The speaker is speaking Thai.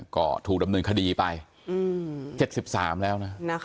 ก็ถูกดำเนินคดีไป๗๓แล้วนะ